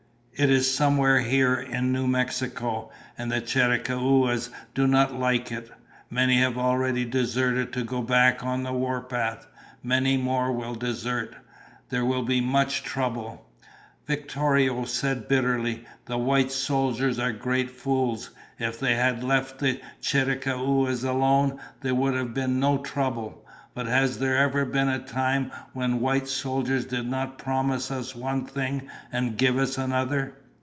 It is somewhere here in New Mexico, and the Chiricahuas do not like it. Many have already deserted to go back on the warpath. Many more will desert. There will be much trouble." Victorio said bitterly, "The white soldiers are great fools. If they had left the Chiricahuas alone, there would have been no trouble. But has there ever been a time when white soldiers did not promise us one thing and give us another?"